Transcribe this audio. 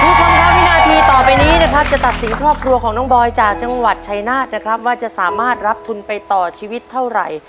คุณผู้ชมครับวินาทีต่อไปนี้นะครับจะตัดสินครอบครัวของน้องบอยจากจังหวัดชายนาฏนะครับว่าจะสามารถรับทุนไปต่อชีวิตเท่าไหร่